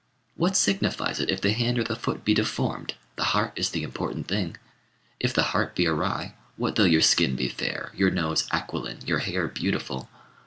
What signifies it if the hand or the foot be deformed? The heart is the important thing. If the heart be awry, what though your skin be fair, your nose aquiline, your hair beautiful?